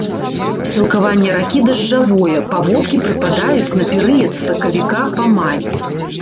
Сілкаванне ракі дажджавое, паводкі прыпадаюць на перыяд з сакавіка па май.